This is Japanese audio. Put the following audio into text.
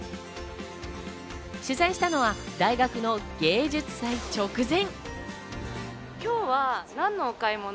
取材したのは大学の芸術祭直前。